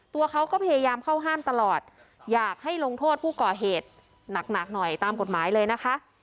ตัวเขาก็พยายามเข้าห้ามตลอดอยากให้ลงโทษผู้ก่อเหตุหนักหน่อยตามกฎหมายเลยนะคะ